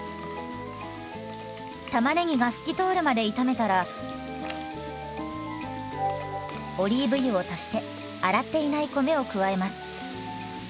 たまねぎが透き通るまで炒めたらオリーブ油を足して洗っていない米を加えます。